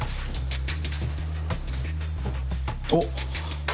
おっ。